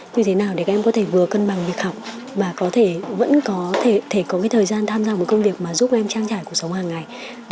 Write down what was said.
như thế nào để các em có thể vừa cân bằng việc học và có thể vẫn có thể có cái thời gian tham gia một công việc mà giúp em trang trải cuộc sống hàng ngày